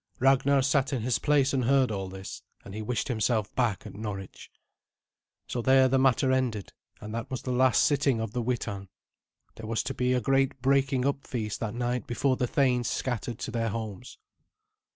Ragnar sat in his place and heard all this, and he wished himself back at Norwich. So there the matter ended, and that was the last sitting of the Witan. There was to be a great breaking up feast that night before the thanes scattered to their homes.